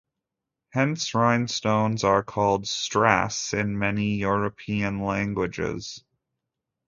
Hence, rhinestones are called "strass" in many European languages.